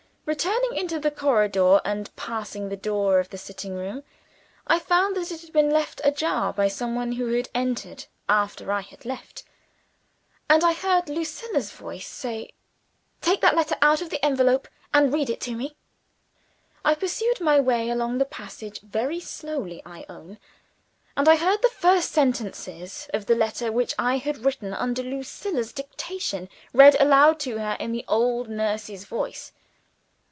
Returning into the corridor, and passing the door of the sitting room, I found that it had been left ajar by some one who had entered after I had left; and I heard Lucilla's voice say, "Take that letter out of the envelope, and read it to me." I pursued my way along the passage very slowly, I own and I heard the first sentences of the letter which I had written under Lucilla's dictation, read aloud to her in the old nurse's voice.